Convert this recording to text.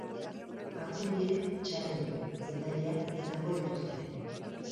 Azken biek txarol detaileak izango dituzte.